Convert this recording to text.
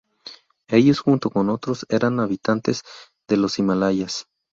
Ellos junto con otros, eran habitantes de los Himalayas.